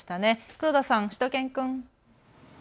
黒田さん、しゅと犬くん。